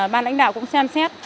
ban lãnh đạo cũng xem xét